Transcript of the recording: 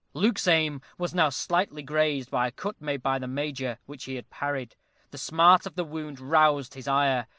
Luke's aim was now slightly grazed by a cut made by the Major, which he had parried. The smart of the wound roused his ire.